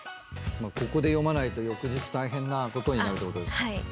ここで読まないと翌日大変なことになるってことですか。